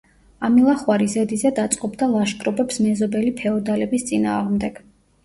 ამილახვარი ზედიზედ აწყობდა ლაშქრობებს მეზობელი ფეოდალების წინააღმდეგ.